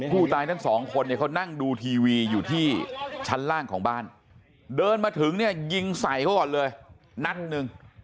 ผู้ตายทั้ง๒คนเขานั่งดูทีวีอยู่ที่ชั้นล่างของบ้านเดินมาถึงยิงใส่เขาก่อนเลยนัดหนึ่ง